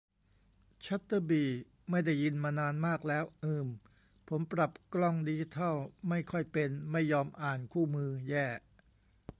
ชัตเตอร์บี ไม่ได้ยินมานานมากแล้ว อืม ผมปรับกล้องดิจิทัลไม่ค่อยเป็น ไม่ยอมอ่านคู่มือ แย่